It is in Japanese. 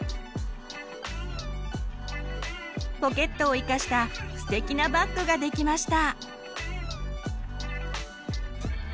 ポケットを生かしたステキなバッグができました！